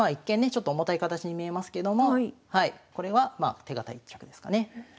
ちょっと重たい形に見えますけどもこれは手堅い一局ですかね。